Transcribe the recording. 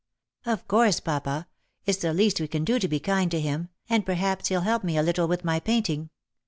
" Of course, papa, it's the least we can do to be kind to him, and perhaps he'll help me a little with my painting.